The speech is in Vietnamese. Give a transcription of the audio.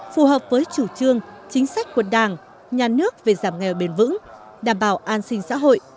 phù hợp với chủ trương chính sách của đảng nhà nước về giảm nghèo bền vững đảm bảo an sinh xã hội